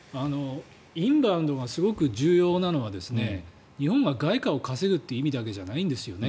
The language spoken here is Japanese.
インバウンドがすごく重要なのは日本が外貨を稼ぐという意味だけじゃないんですよね。